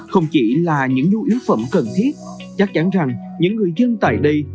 không chỉ là những nhu yếu phẩm cần thiết chắc chắn rằng những người dân tại đây